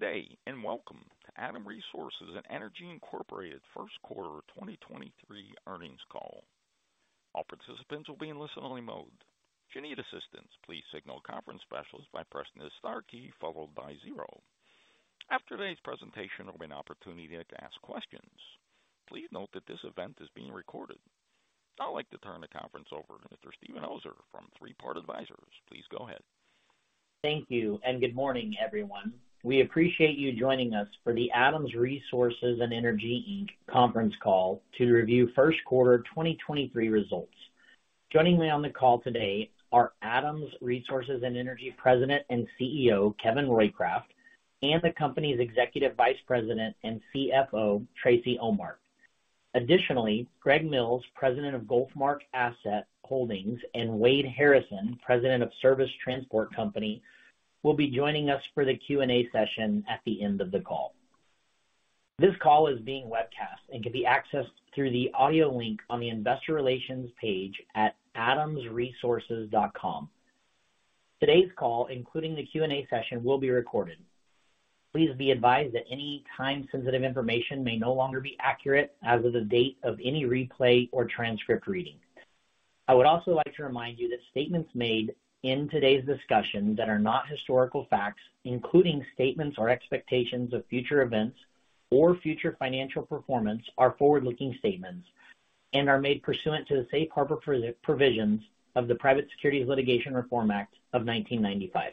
Good day, welcome to Adams Resources & Energy, Inc. first quarter 2023 earnings call. All participants will be in listen-only mode. If you need assistance, please signal conference specialist by pressing the star key followed by 0. After today's presentation there will be an opportunity to ask questions. Please note that this event is being recorded. I'd like to turn the conference over to Mr. Steven Hooser from Three Part Advisors. Please go ahead. Thank you. Good morning, everyone. We appreciate you joining us for the Adams Resources & Energy, Inc. conference call to review first quarter 2023 results. Joining me on the call today are Adams Resources & Energy President and CEO, Kevin Roycraft, and the company's Executive Vice President and CFO, Tracy Ohmart. Additionally, Greg Mills, President of GulfMark Energy, and Wade Harrison, President of Service Transport Company, will be joining us for the Q&A session at the end of the call. This call is being webcast and can be accessed through the audio link on the investor relations page at adamsresources.com. Today's call, including the Q&A session, will be recorded. Please be advised that any time-sensitive information may no longer be accurate as of the date of any replay or transcript reading. I would also like to remind you that statements made in today's discussion that are not historical facts, including statements or expectations of future events or future financial performance, are forward-looking statements and are made pursuant to the Safe Harbor provisions of the Private Securities Litigation Reform Act of 1995.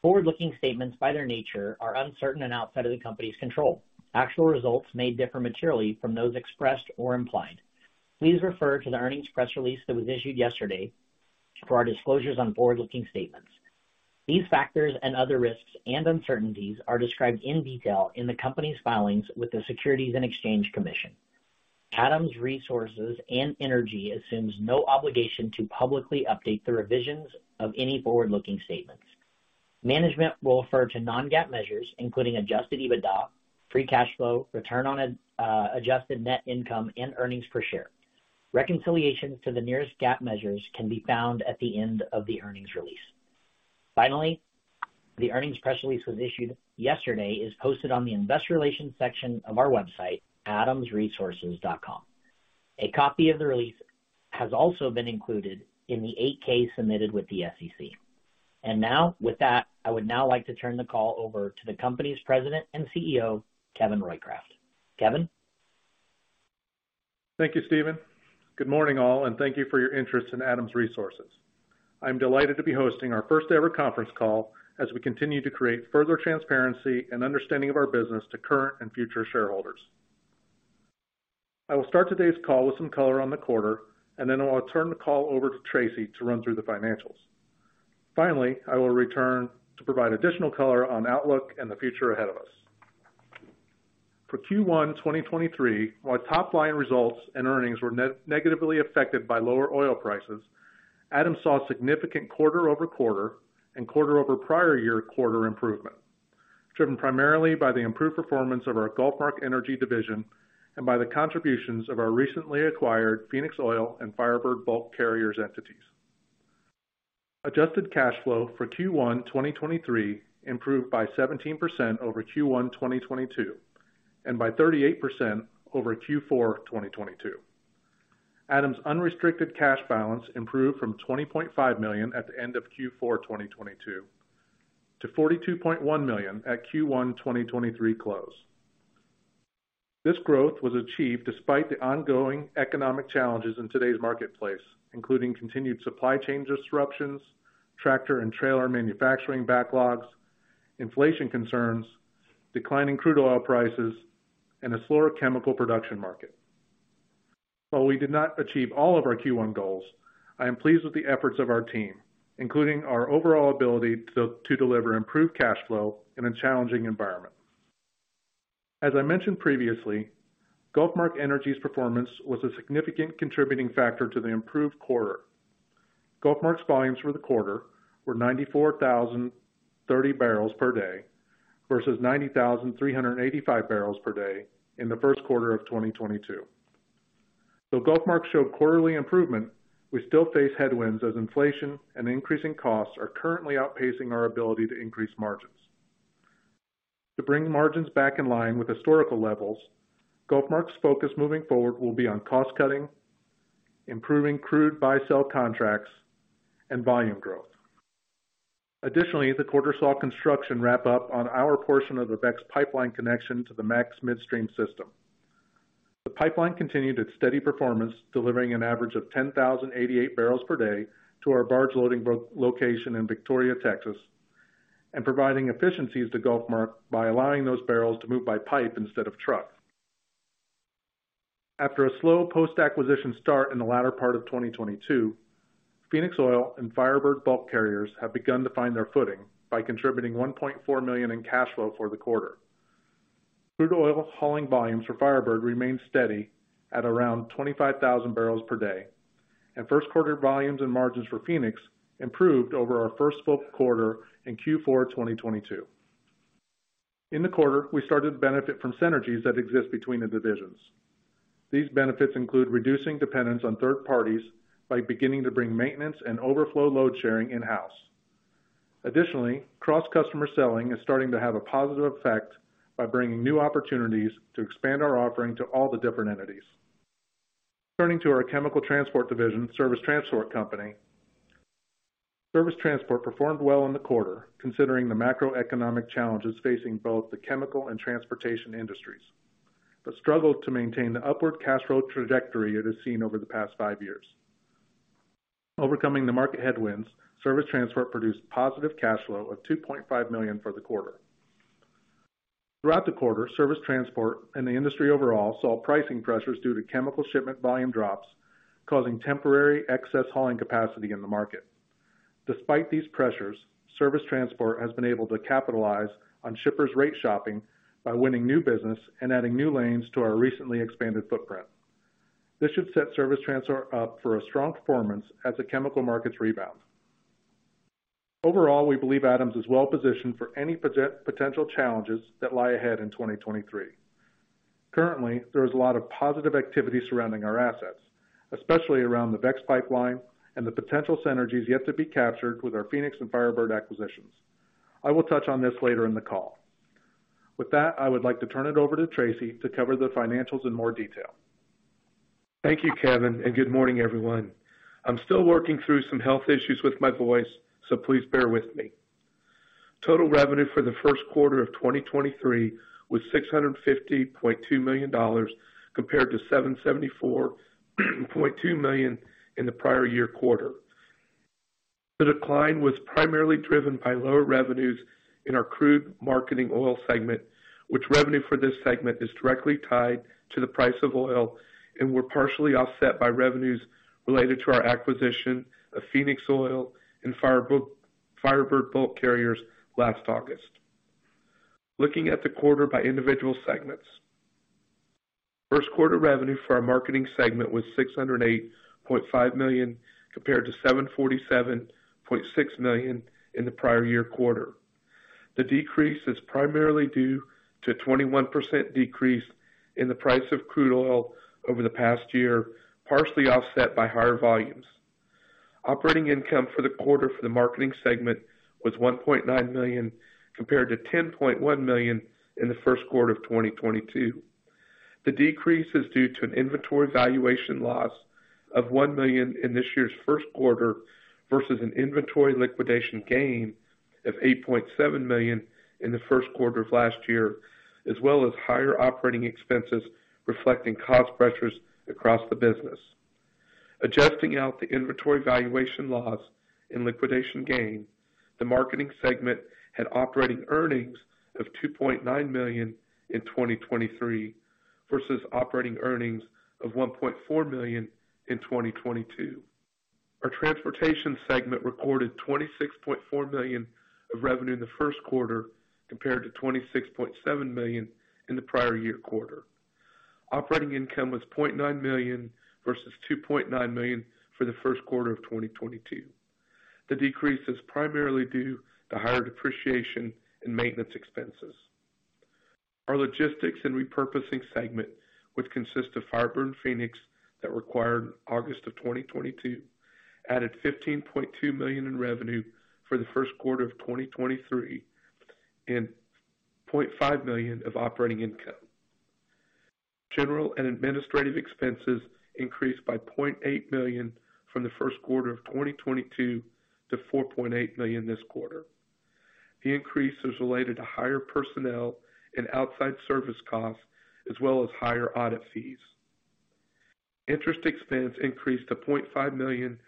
Forward-looking statements by their nature are uncertain and outside of the company's control. Actual results may differ materially from those expressed or implied. Please refer to the earnings press release that was issued yesterday for our disclosures on forward-looking statements. These factors and other risks and uncertainties are described in detail in the company's filings with the Securities and Exchange Commission. Adams Resources & Energy assumes no obligation to publicly update the revisions of any forward-looking statements. Management will refer to non-GAAP measures, including adjusted EBITDA, free cash flow, return on adjusted net income, and earnings per share. Reconciliation to the nearest GAAP measures can be found at the end of the earnings release. Finally, the earnings press release was issued yesterday is posted on the investor relations section of our website, adamsresources.com. A copy of the release has also been included in the 8-K submitted with the SEC. Now with that, I would now like to turn the call over to the company's President and CEO, Kevin Roycraft. Kevin? Thank you, Steven. Good morning, all, and thank you for your interest in Adams Resources. I'm delighted to be hosting our first-ever conference call as we continue to create further transparency and understanding of our business to current and future shareholders. I will start today's call with some color on the quarter. Then I will turn the call over to Tracy to run through the financials. Finally, I will return to provide additional color on outlook and the future ahead of us. For Q1 2023, while top line results and earnings were negatively affected by lower oil prices, Adams saw significant quarter-over-quarter and quarter-over-prior-year quarter improvement, driven primarily by the improved performance of our GulfMark Energy division and by the contributions of our recently acquired Phoenix Oil and Firebird Bulk Carriers entities. Adjusted cash flow for Q1 2023 improved by 17% over Q1 2022, and by 38% over Q4 2022. Adams unrestricted cash balance improved from $20.5 million at the end of Q4 2022 to $42.1 million at Q1 2023 close. This growth was achieved despite the ongoing economic challenges in today's marketplace, including continued supply chain disruptions, tractor and trailer manufacturing backlogs, inflation concerns, declining crude oil prices, and a slower chemical production market. While we did not achieve all of our Q1 goals, I am pleased with the efforts of our team, including our overall ability to deliver improved cash flow in a challenging environment. As I mentioned previously, GulfMark Energy's performance was a significant contributing factor to the improved quarter. GulfMark's volumes for the quarter were 94,030 barrels per day versus 90,385 barrels per day in the first quarter of 2022. Though GulfMark showed quarterly improvement, we still face headwinds as inflation and increasing costs are currently outpacing our ability to increase margins. To bring margins back in line with historical levels, GulfMark's focus moving forward will be on cost-cutting, improving crude buy-sell contracts, and volume growth. Additionally, the quarter saw construction wrap up on our portion of the VEX pipeline connection to the Max Midstream system. The pipeline continued its steady performance, delivering an average of 10,088 barrels per day to our barge loading location in Victoria, Texas, and providing efficiencies to GulfMark by allowing those barrels to move by pipe instead of truck. After a slow post-acquisition start in the latter part of 2022, Phoenix Oil and Firebird Bulk Carriers have begun to find their footing by contributing $1.4 million in cash flow for the quarter. Crude oil hauling volumes for Firebird remained steady at around 25,000 barrels per day, first quarter volumes and margins for Phoenix improved over our first full quarter in Q4 2022. In the quarter, we started to benefit from synergies that exist between the divisions. These benefits include reducing dependence on third parties by beginning to bring maintenance and overflow load sharing in-house. Cross-customer selling is starting to have a positive effect by bringing new opportunities to expand our offering to all the different entities. Turning to our chemical transport division, Service Transport Company. Service Transport performed well in the quarter considering the macroeconomic challenges facing both the chemical and transportation industries, struggled to maintain the upward cash flow trajectory it has seen over the past 5 years. Overcoming the market headwinds, Service Transport produced positive cash flow of $2.5 million for the quarter. Throughout the quarter, Service Transport and the industry overall, saw pricing pressures due to chemical shipment volume drops, causing temporary excess hauling capacity in the market. Despite these pressures, Service Transport has been able to capitalize on shippers rate shopping by winning new business and adding new lanes to our recently expanded footprint. This should set Service Transport up for a strong performance as the chemical markets rebound. Overall, we believe Adams is well-positioned for any potential challenges that lie ahead in 2023. Currently, there is a lot of positive activity surrounding our assets, especially around the VEX pipeline and the potential synergies yet to be captured with our Phoenix and Firebird acquisitions. I will touch on this later in the call. I would like to turn it over to Tracy to cover the financials in more detail. Thank you, Kevin. Good morning, everyone. I'm still working through some health issues with my voice. Please bear with me. Total revenue for the first quarter of 2023 was $650.2 million compared to $774.2 million in the prior-year quarter. The decline was primarily driven by lower revenues in our crude marketing oil segment, which revenue for this segment is directly tied to the price of oil, and were partially offset by revenues related to our acquisition of Phoenix Oil and Firebird Bulk Carriers last August. Looking at the quarter by individual segments. First quarter revenue for our marketing segment was $608.5 million compared to $747.6 million in the prior-year quarter. The decrease is primarily due to a 21% decrease in the price of crude oil over the past year, partially offset by higher volumes. Operating income for the quarter for the marketing segment was $1.9 million, compared to $10.1 million in the first quarter of 2022. The decrease is due to an inventory valuation loss of $1 million in this year's first quarter, versus an inventory liquidation gain of $8.7 million in the first quarter of last year, as well as higher OpEx reflecting cost pressures across the business. Adjusting out the inventory valuation loss and liquidation gain, the marketing segment had operating earnings of $2.9 million in 2023 versus operating earnings of $1.4 million in 2022. Our transportation segment recorded $26.4 million of revenue in the first quarter compared to $26.7 million in the prior year quarter. Operating income was $0.9 million versus $2.9 million for the first quarter of 2022. The decrease is primarily due to higher depreciation and maintenance expenses. Our logistics and repurposing segment, which consists of Firebird and Phoenix that were acquired August of 2022, added $15.2 million in revenue for the first quarter of 2023 and $0.5 million of operating income. General and administrative expenses increased by $0.8 million from the first quarter of 2022 to $4.8 million this quarter. The increase is related to higher personnel and outside service costs as well as higher audit fees. Interest expense increased to $0.5 million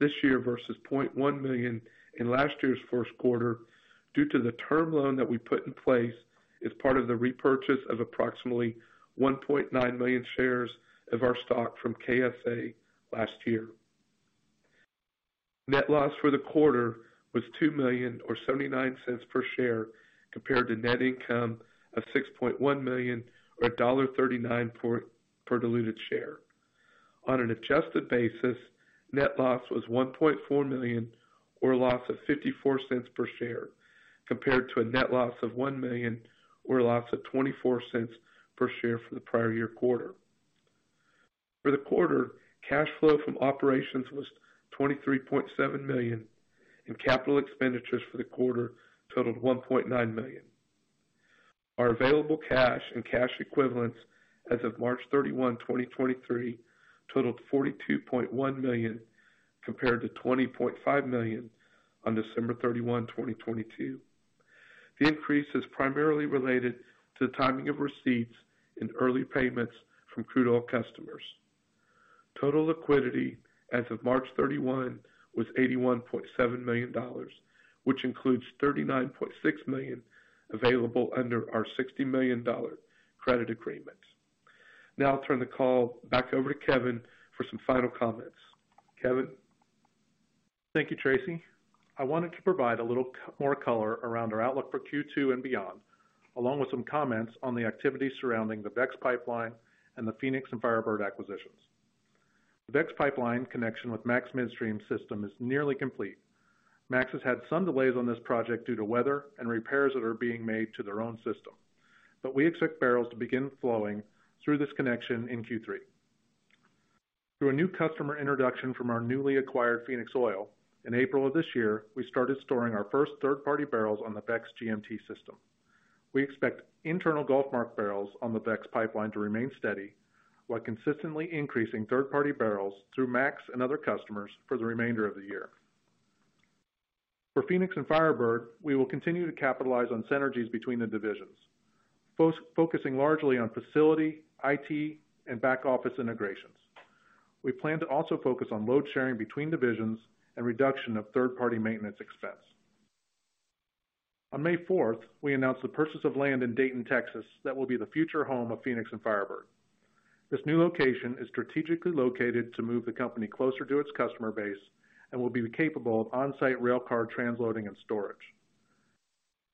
this year versus $0.1 million in last year's first quarter due to the term loan that we put in place as part of the repurchase of approximately 1.9 million shares of our stock from KSA last year. Net loss for the quarter was $2 million or $0.79 per share, compared to net income of $6.1 million or $1.39 per diluted share. On an adjusted basis, net loss was $1.4 million or a loss of $0.54 per share, compared to a net loss of $1 million or a loss of $0.24 per share for the prior year quarter. For the quarter, cash flow from operations was $23.7 million, and capital expenditures for the quarter totaled $1.9 million. Our available cash and cash equivalents as of March 31, 2023 totaled $42.1 million, compared to $20.5 million on December 31, 2022. The increase is primarily related to the timing of receipts and early payments from crude oil customers. Total liquidity as of March 31 was $81.7 million, which includes $39.6 million available under our $60 million credit agreement. I'll turn the call back over to Kevin for some final comments. Kevin? Thank you, Tracy Ohmart. I wanted to provide a little more color around our outlook for Q2 and beyond, along with some comments on the activity surrounding the VEX Pipeline and the Phoenix and Firebird acquisitions. The VEX Pipeline connection with Max Midstream system is nearly complete. Max has had some delays on this project due to weather and repairs that are being made to their own system. We expect barrels to begin flowing through this connection in Q3. Through a new customer introduction from our newly acquired Phoenix Oil, in April of this year, we started storing our first third-party barrels on the VEX GMT system. We expect internal GulfMark barrels on the VEX Pipeline to remain steady while consistently increasing third-party barrels through Max and other customers for the remainder of the year. For Phoenix and Firebird, we will continue to capitalize on synergies between the divisions, focusing largely on facility, IT, and back-office integrations. We plan to also focus on load sharing between divisions and reduction of third-party maintenance expense. On May 4, we announced the purchase of land in Dayton, Texas, that will be the future home of Phoenix and Firebird. This new location is strategically located to move the company closer to its customer base and will be capable of on-site railcar transloading and storage.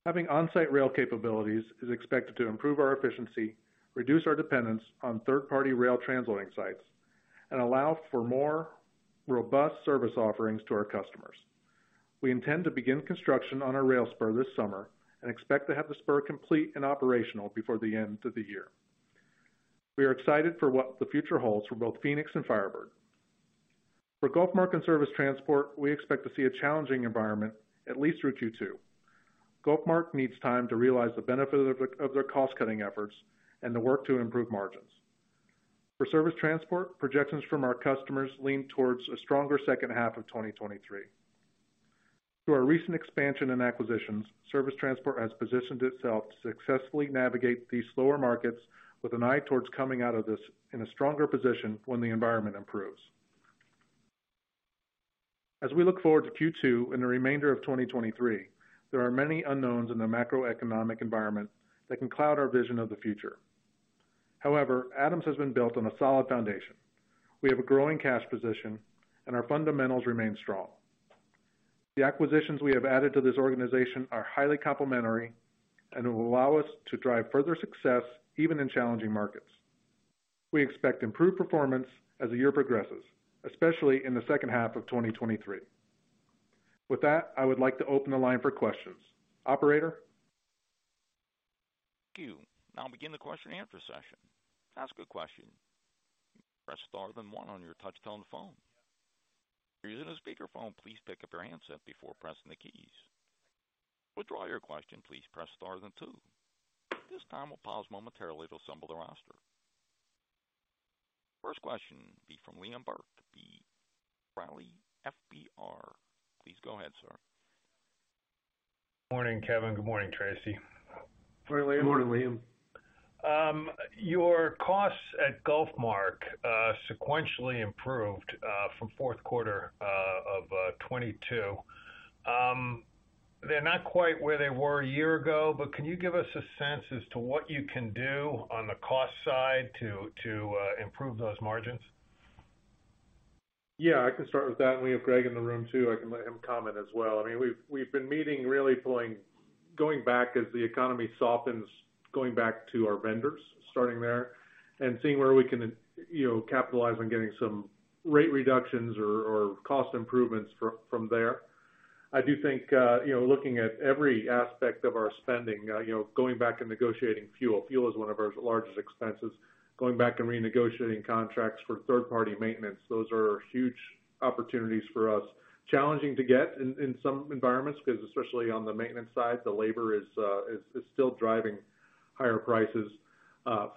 Having on-site rail capabilities is expected to improve our efficiency, reduce our dependence on third-party rail transloading sites, and allow for more robust service offerings to our customers. We intend to begin construction on our rail spur this summer and expect to have the spur complete and operational before the end of the year. We are excited for what the future holds for both Phoenix and Firebird. For GulfMark and Service Transport, we expect to see a challenging environment at least through Q2. GulfMark needs time to realize the benefit of their cost-cutting efforts and the work to improve margins. For Service Transport, projections from our customers lean towards a stronger second half of 2023. Through our recent expansion and acquisitions, Service Transport has positioned itself to successfully navigate these slower markets with an eye towards coming out of this in a stronger position when the environment improves. As we look forward to Q2 and the remainder of 2023, there are many unknowns in the macroeconomic environment that can cloud our vision of the future. However, Adams has been built on a solid foundation. We have a growing cash position, and our fundamentals remain strong. The acquisitions we have added to this organization are highly complementary and will allow us to drive further success even in challenging markets. We expect improved performance as the year progresses, especially in the second half of 2023. With that, I would like to open the line for questions. Operator? Thank you. Now begin the question and answer session. To ask a question, press star then one on your touchtone phone. If you're using a speakerphone, please pick up your handset before pressing the keys. To withdraw your question, please press star then two. At this time, we'll pause momentarily to assemble the roster. First question will be from Liam Burke of B. Riley FBR. Please go ahead, sir. Morning, Kevin. Good morning, Tracy. Morning, Liam. Good morning, Liam. Your costs at GulfMark sequentially improved from fourth quarter of 2022. They're not quite where they were a year ago, but can you give us a sense as to what you can do on the cost side to improve those margins? Yeah, I can start with that. We have Greg in the room, too. I can let him comment as well. I mean, we've been meeting really going back as the economy softens, going back to our vendors starting there and seeing where we can, you know, capitalize on getting some rate reductions or cost improvements from there. I do think, you know, looking at every aspect of our spending, you know, going back and negotiating fuel. Fuel is one of our largest expenses. Going back and renegotiating contracts for third-party maintenance, those are huge opportunities for us. Challenging to get in some environments because especially on the maintenance side, the labor is still driving higher prices.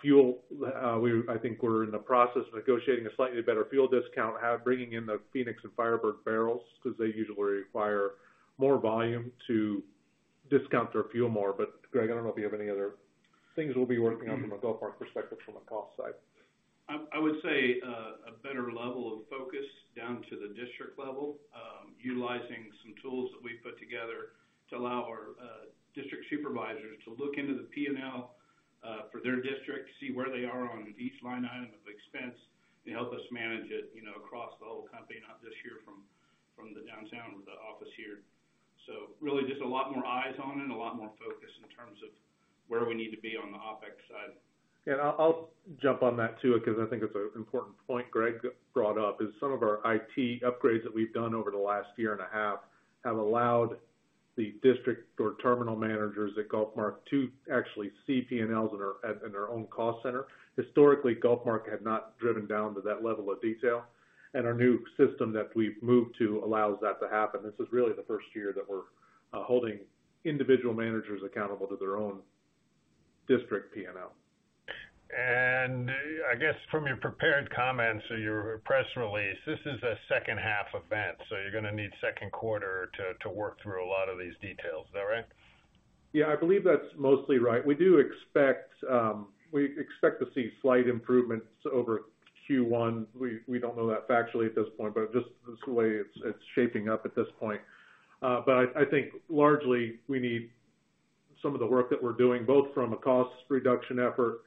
fuel, I think we're in the process of negotiating a slightly better fuel discount, bringing in the Phoenix and Firebird barrels because they usually require more volume to discount their fuel more. Greg, I don't know if you have any other things we'll be working on from a GulfMark perspective from a cost side. I would say a better level of focus down to the district level, utilizing some tools that we've put together to allow our district supervisors to look into the P&L for their district, see where they are on each line item of expense to help us manage it, you know, across the whole company, not just hear from the downtown with the office here. Really just a lot more eyes on it, a lot more focus in terms of where we need to be on the OpEx side. Yeah, I'll jump on that, too, because I think it's an important point Greg brought up, is some of our IT upgrades that we've done over the last year and a half have allowed the district or terminal managers at GulfMark to actually see P&Ls in their own cost center. Historically, GulfMark had not driven down to that level of detail. Our new system that we've moved to allows that to happen. This is really the first year that we're holding individual managers accountable to their own district P&L. I guess from your prepared comments or your press release, this is a second half event, so you're gonna need second quarter to work through a lot of these details. Is that right? Yeah, I believe that's mostly right. We do expect, we expect to see slight improvements over Q1. We don't know that factually at this point, but just the way it's shaping up at this point. But I think largely we need some of the work that we're doing, both from a cost reduction effort,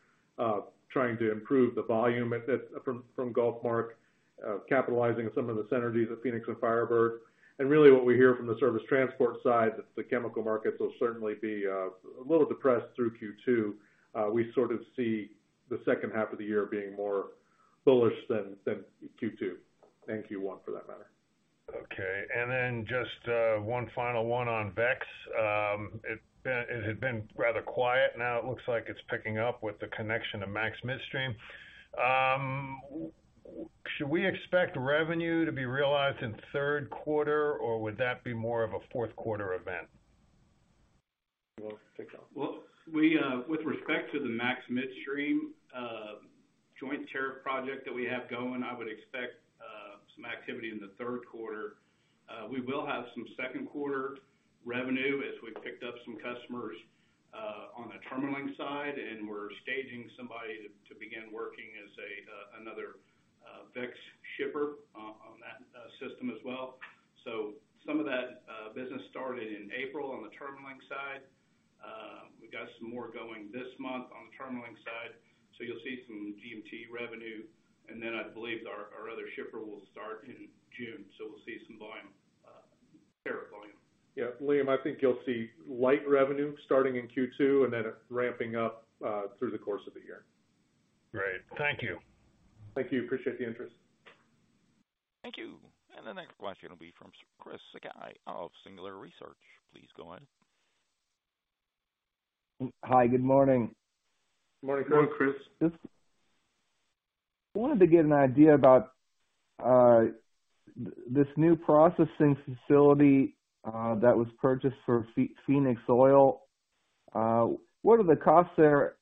trying to improve the volume from GulfMark, capitalizing on some of the synergies of Phoenix and Firebird. Really what we hear from the Service Transport side, that the chemical markets will certainly be a little depressed through Q2. We sort of see the second half of the year being more bullish than Q2 and Q1 for that matter. Okay. Just one final one on VEX. It had been rather quiet, now it looks like it's picking up with the connection to Max Midstream. Should we expect revenue to be realized in third quarter, or would that be more of a fourth quarter event? Well, take that. We with respect to the Max Midstream joint tariff project that we have going, I would expect some activity in the third quarter. We will have some second quarter revenue as we picked up some customers on the terminalling side, and we're staging somebody to begin working as another VEX shipper on that system as well. Some of that business started in April on the terminalling side. We've got some more going this month on the terminalling side, you'll see some GMT revenue. I believe our other shipper will start in June, we'll see some volume tariff volume. Yeah, Liam, I think you'll see light revenue starting in Q2 and then it ramping up through the course of the year. Great. Thank you. Thank you. Appreciate the interest. Thank you. The next question will be from Chris Sakai of Singular Research. Please go ahead. Hi. Good morning. Good morning, Chris. Good morning, Chris. Just wanted to get an idea about this new processing facility that was purchased for Phoenix Oil. What are the costs there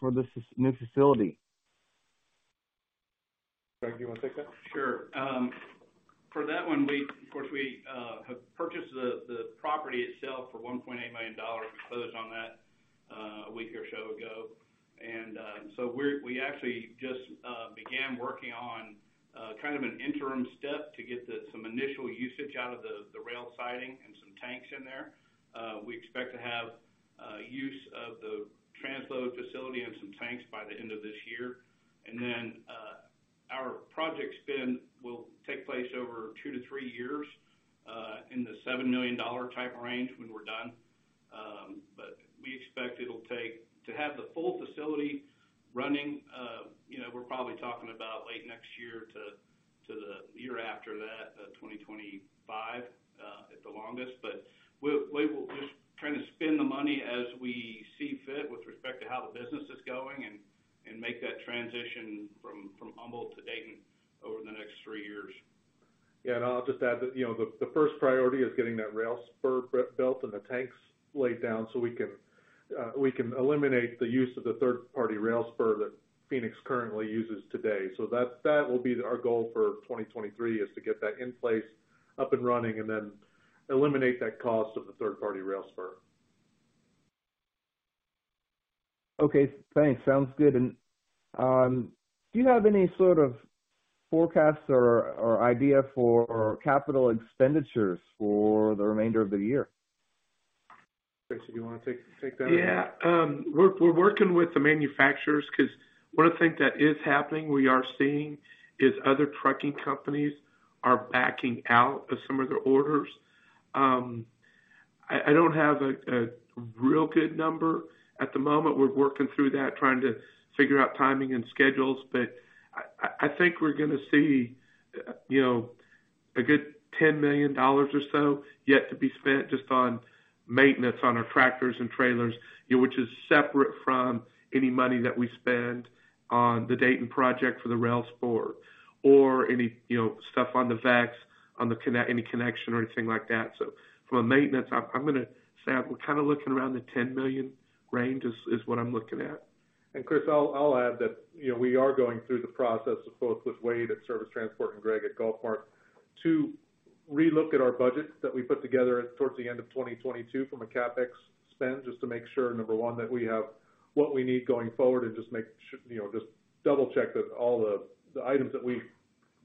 for this new facility? Greg, do you wanna take that? Sure. For that one, of course, we have purchased the property itself for $1.8 million. We closed on that a week or so ago. We actually just began working on kind of an interim step to get some initial usage out of the rail siding and some tanks in there. We expect to have use of the transload facility and some tanks by the end of this year. Our project spend will take place over two to three years in the $7 million type range when we're done. We expect it'll take. To have the full facility running, you know, we're probably talking about late next year to the year after that, 2025, at the longest. We will just trying to spend the money as we see fit with respect to how the business is going and make that transition from Humble to Dayton over the next three years. Yeah. I'll just add that, you know, the first priority is getting that rail spur built and the tanks laid down so we can eliminate the use of the third-party rail spur that Phoenix currently uses today. That will be our goal for 2023, is to get that in place, up and running, and then eliminate that cost of the third-party rail spur. Okay, thanks. Sounds good. Do you have any sort of forecasts or idea for capital expenditures for the remainder of the year? Tracy, do you wanna take that? We're working with the manufacturers, because one of the things that is happening, we are seeing, is other trucking companies are backing out of some of their orders. I don't have a real good number. At the moment, we're working through that, trying to figure out timing and schedules. I think we're going to see, you know, a good $10 million or so yet to be spent just on maintenance on our tractors and trailers, you know, which is separate from any money that we spend on the Dayton project for the rail spur or any, you know, stuff on the VEX, any connection or anything like that. For maintenance, I'm going to say I'm kind of looking around the $10 million range is what I'm looking at. Chris, I'll add that, you know, we are going through the process of both with Wade at Service Transport and Greg at GulfMark to relook at our budgets that we put together towards the end of 2022 from a CapEx spend, just to make sure, number one, that we have what we need going forward and just make sure, you know, just double check that all the items that we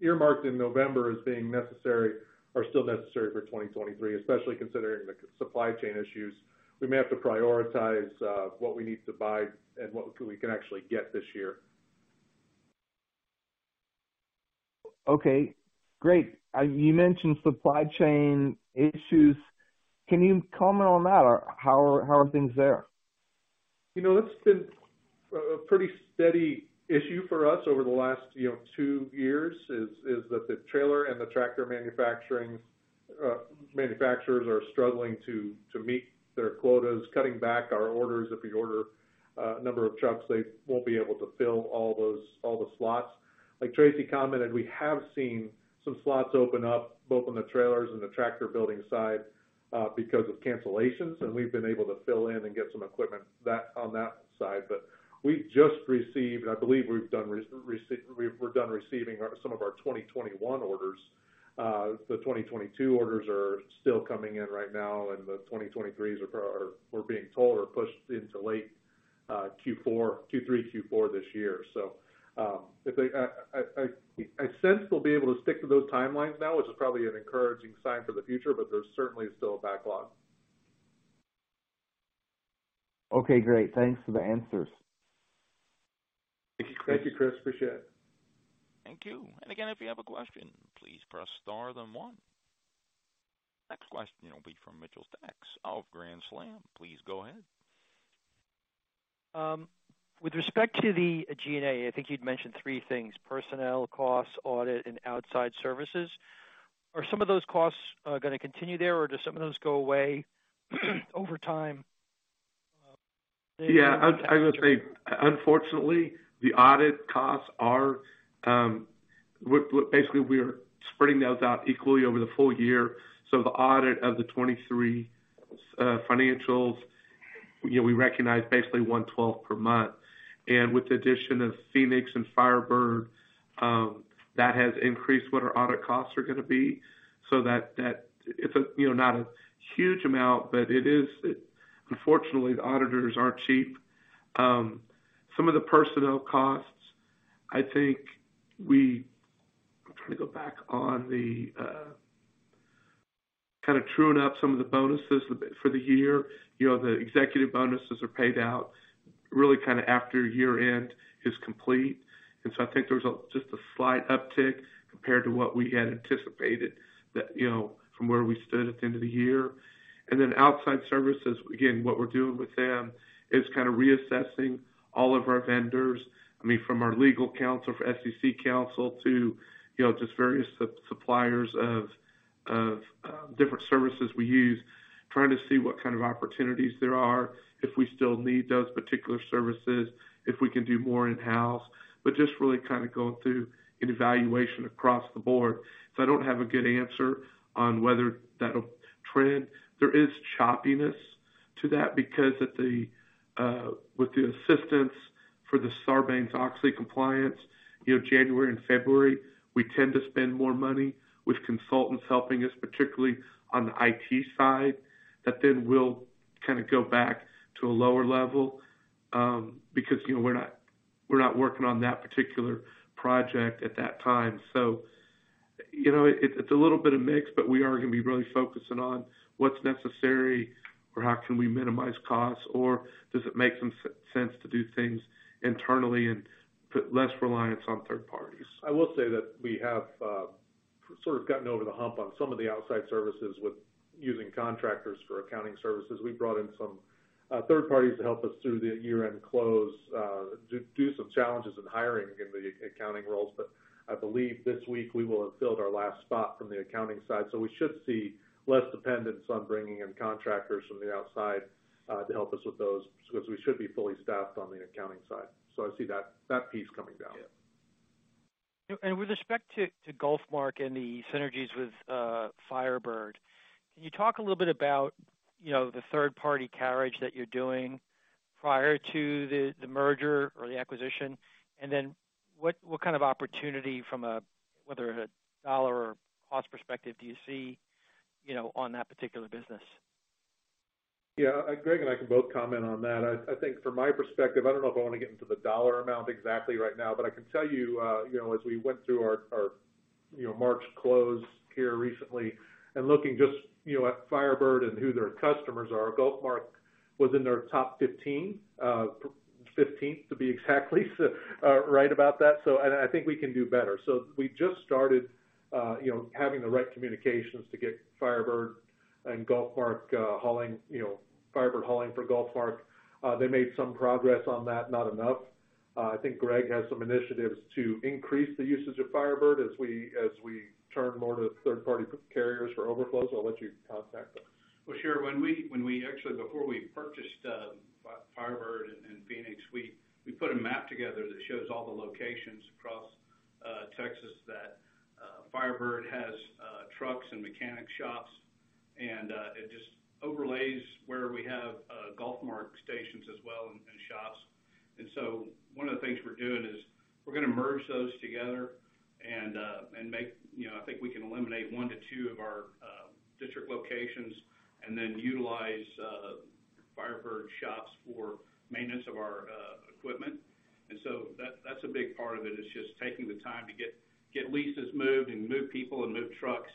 earmarked in November as being necessary are still necessary for 2023, especially considering the supply chain issues. We may have to prioritize what we need to buy and what we can actually get this year. Okay, great. You mentioned supply chain issues. Can you comment on that? How are things there? You know, that's been a pretty steady issue for us over the last, you know, two years, is that the trailer and the tractor manufacturing manufacturers are struggling to meet their quotas, cutting back our orders. If we order a number of trucks, they won't be able to fill all the slots. Like Tracy commented, we have seen some slots open up both on the trailers and the tractor building side because of cancellations, and we've been able to fill in and get some equipment that, on that side. We just received, I believe we're done receiving our, some of our 2021 orders. The 2022 orders are still coming in right now, and the 2023s are, we're being told, are pushed into late Q3, Q4 this year. If they... I sense we'll be able to stick to those timelines now, which is probably an encouraging sign for the future, but there's certainly still a backlog. Okay, great. Thanks for the answers. Thank you, Chris. Thank you, Chris. Appreciate it. Thank you. Again, if you have a question, please press star then one. Next question will be from Mitchell Sacks of Grand Slam. Please go ahead. With respect to the G&A, I think you'd mentioned 3 things, personnel costs, audit, and outside services. Are some of those costs gonna continue there or do some of those go away over time? Yeah, I would say, unfortunately, the audit costs are basically, we are spreading those out equally over the full year. The audit of the 23 financials, you know, we recognize basically 1/12 per month. With the addition of Phoenix and Firebird, that has increased what our audit costs are gonna be. That it's a, you know, not a huge amount, but it is. Unfortunately, the auditors aren't cheap. Some of the personnel costs, I think I'm trying to go back on the kinda truing up some of the bonuses a bit for the year. You know, the executive bonuses are paid out really kinda after year-end is complete. I think there's a, just a slight uptick compared to what we had anticipated that, you know, from where we stood at the end of the year. Outside services, again, what we're doing with them is kinda reassessing all of our vendors. I mean, from our legal counsel for SEC counsel to, you know, just various suppliers of different services we use, trying to see what kind of opportunities there are, if we still need those particular services, if we can do more in-house, but just really kinda going through an evaluation across the board. I don't have a good answer on whether that'll trend. There is choppiness to that because at the with the assistance for the Sarbanes-Oxley compliance, you know, January and February, we tend to spend more money with consultants helping us, particularly on the IT side, that then we'll kinda go back to a lower level, because, you know, we're not working on that particular project at that time. You know, it's a little bit of mix, but we are gonna be really focusing on what's necessary or how can we minimize costs, or does it make some sense to do things internally and put less reliance on third parties. I will say that we have sort of gotten over the hump on some of the outside services with using contractors for accounting services. We brought in some third parties to help us through the year-end close due to some challenges in hiring in the accounting roles. I believe this week we will have filled our last spot from the accounting side. We should see less dependence on bringing in contractors from the outside to help us with those because we should be fully staffed on the accounting side. I see that piece coming down. Yeah. With respect to GulfMark and the synergies with Firebird, can you talk a little bit about, you know, the third-party carriage that you're doing prior to the merger or the acquisition? Then what kind of opportunity from a, whether a dollar or cost perspective do you see, you know, on that particular business? Greg and I can both comment on that. I think from my perspective, I don't know if I want to get into the dollar amount exactly right now, but I can tell you know, as we went through our, you know, March close here recently and looking just, you know, at Firebird and who their customers are, GulfMark was in their top 15, 15th to be exactly right about that. I think we can do better. We just started, you know, having the right communications to get Firebird and GulfMark, hauling, you know, Firebird hauling for GulfMark. They made some progress on that, not enough. I think Greg has some initiatives to increase the usage of Firebird as we turn more to third-party carriers for overflows. I'll let you contact that. Well, sure. Actually, before we purchased Firebird and Phoenix, we put a map together that shows all the locations across Texas that Firebird has trucks and mechanic shops, and it just overlays where we have GulfMark stations as well and shops. One of the things we're doing is we're gonna merge those together. You know, I think we can eliminate 1 to 2 of our district locations and then utilize Firebird shops for maintenance of our equipment. That's a big part of it. It's just taking the time to get leases moved and move people and move trucks.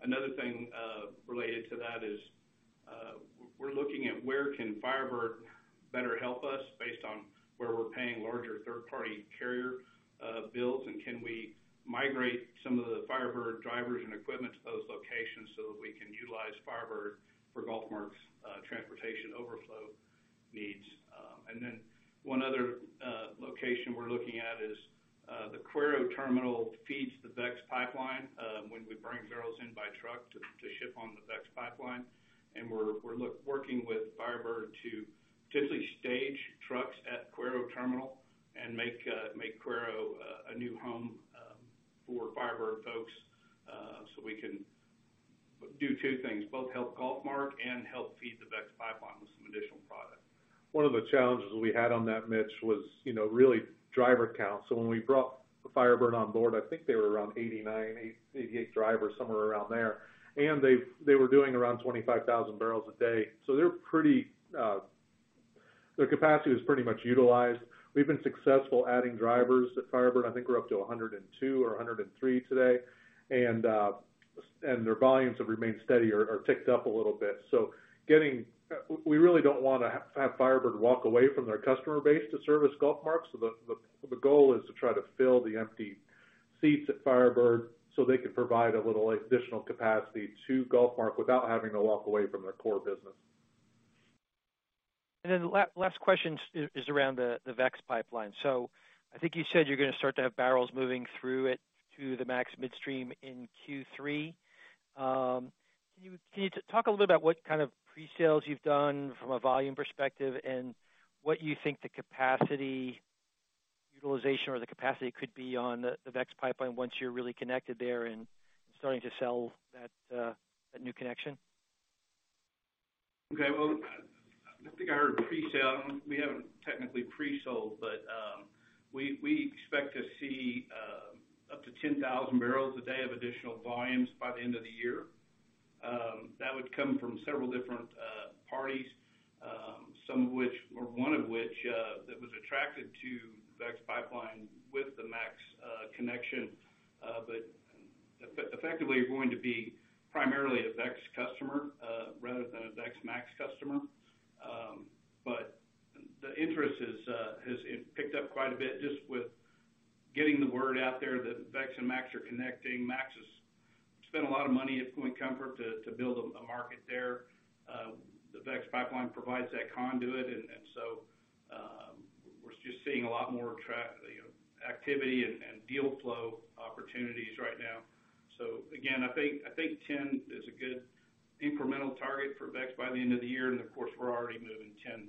Another thing, related to that is, we're looking at where can Firebird better help us based on where we're paying larger third-party carrier bills, and can we migrate some of the Firebird drivers and equipment to those locations so that we can utilize Firebird for GulfMark's transportation overflow needs. One other location we're looking at is the Cuero terminal feeds the VEX pipeline, when we bring barrels in by truck to ship on the VEX pipeline. We're working with Firebird to typically stage trucks at Cuero terminal and make Cuero a new home for Firebird folks, so we can do 2 things, both help GulfMark and help feed the VEX pipeline with some additional product. One of the challenges we had on that, Mitch, was, you know, really driver count. When we brought Firebird on board, I think they were around 89, 88 drivers, somewhere around there. They were doing around 25,000 barrels a day. They're pretty. Their capacity was pretty much utilized. We've been successful adding drivers at Firebird. I think we're up to 102 or 103 today. Their volumes have remained steady or ticked up a little bit. Getting. We really don't wanna have Firebird walk away from their customer base to service GulfMark. The goal is to try to fill the empty Seats at Firebird so they can provide a little additional capacity to GulfMark without having to walk away from their core business. The last question is around the VEX pipeline. I think you said you're gonna start to have barrels moving through it to the Max Midstream in Q3. Can you talk a little about what kind of presales you've done from a volume perspective and what you think the capacity utilization or the capacity could be on the VEX pipeline once you're really connected there and starting to sell that new connection? Okay. Well, I think I heard presale. We haven't technically presold, but we expect to see up to 10,000 barrels a day of additional volumes by the end of the year. That would come from several different parties, some of which or one of which that was attracted to VEX Pipeline with the MAX connection. But effectively are going to be primarily a VEX customer, rather than a VEX/MAX customer. But the interest is has picked up quite a bit just with getting the word out there that VEX and MAX are connecting. MAX has spent a lot of money at Point Comfort to build a market there. The VEX pipeline provides that conduit. We're just seeing a lot more you know, activity and deal flow opportunities right now. Again, I think 10 is a good incremental target for VEX by the end of the year. Of course, we're already moving 10,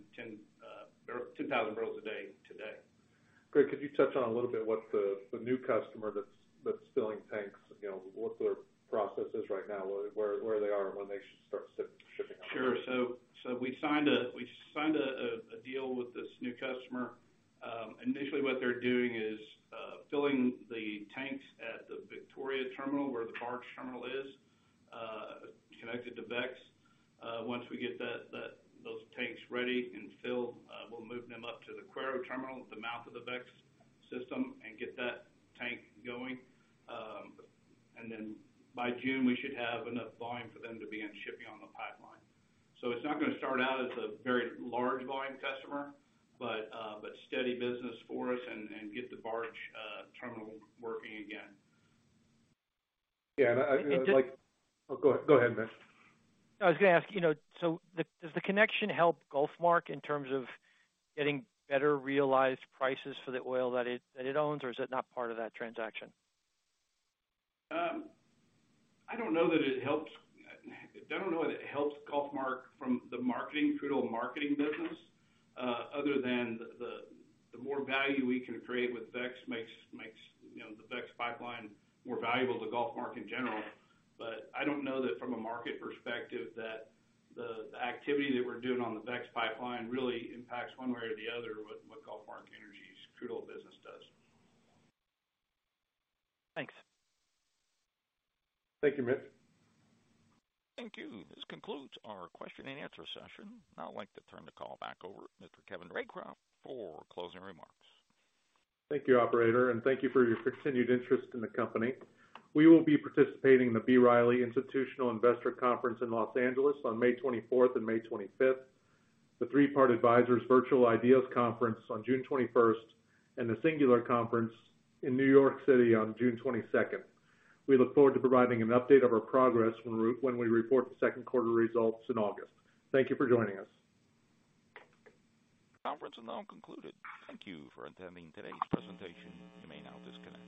or 2,000 barrels a day today. Greg, could you touch on a little bit what the new customer that's filling tanks, you know, what their process is right now, where they are when they start shipping? Sure. We signed a deal with this new customer. Initially what they're doing is filling the tanks at the Victoria terminal where the barge terminal is connected to VEX. Once we get those tanks ready and filled, we'll move them up to the Cuero terminal at the mouth of the VEX system and get that tank going. Then by June, we should have enough volume for them to begin shipping on the pipeline. It's not gonna start out as a very large volume customer, but steady business for us and get the barge terminal working again. Yeah. I would like. Oh, go ahead, Mitch. I was gonna ask, you know, Does the connection help GulfMark in terms of getting better realized prices for the oil that it owns, or is it not part of that transaction? I don't know that it helps GulfMark from the marketing, crude oil marketing business, other than the more value we can create with VEX makes, you know, the VEX pipeline more valuable to GulfMark in general. I don't know that from a market perspective that the activity that we're doing on the VEX pipeline really impacts one way or the other what GulfMark Energy's crude oil business does. Thanks. Thank you, Mitch. Thank you. This concludes our question and answer session. I'd like to turn the call back over to Mr. Kevin Roycraft for closing remarks. Thank you, operator. Thank you for your continued interest in the company. We will be participating in the B. Riley Institutional Investor Conference in Los Angeles on May 24th and May 25th. The Three Part Advisors Virtual IDEAS Conference on June 21st, and the Singular Research Conference in New York City on June 22nd. We look forward to providing an update of our progress when we report the second quarter results in August. Thank you for joining us. Conference is now concluded. Thank you for attending today's presentation. You may now disconnect.